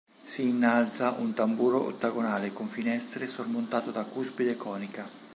Si innalza un tamburo ottagonale con finestre, sormontato da cuspide conica.